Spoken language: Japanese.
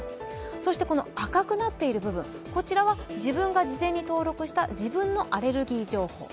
そして赤くなっている部分、こちらは自分が事前に登録した自分のアレルギー情報。